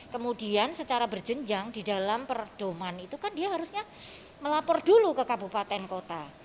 kemudian secara berjenjang di dalam perdoman itu kan dia harusnya melapor dulu ke kabupaten kota